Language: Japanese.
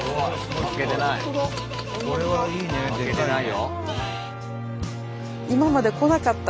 負けてないよ。